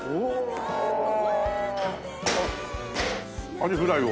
アジフライを。